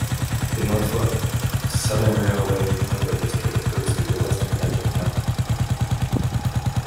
The Norfolk Southern Railway's Kenova District goes through the western edge of town.